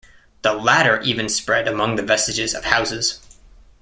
The latter even spread among the vestiges of houses.